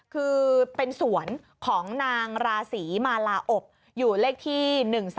คือเป็นสวนของนางราศีมาลาอบอยู่เลขที่๑๓